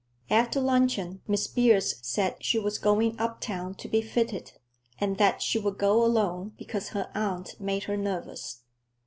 After luncheon Miss Beers said she was going uptown to be fitted, and that she would go alone because her aunt made her nervous.